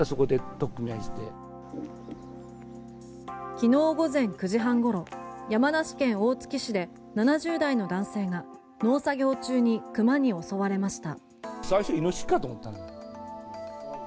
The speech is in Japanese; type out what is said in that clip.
昨日午前９時半ごろ山梨県大月市で、７０代の男性が農作業中に熊に襲われました。